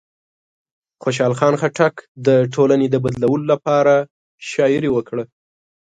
خوشحال خان خټک د ټولنې د بدلولو لپاره شاعري وکړه.